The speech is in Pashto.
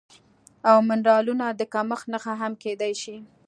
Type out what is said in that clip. او منرالونو د کمښت نښه هم کیدی شي